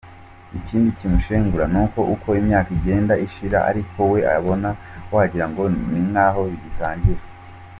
Ikindi kimushengura nuko uko imyaka igenda ishira ariko we abona wagirango ni nkaho bigitangira.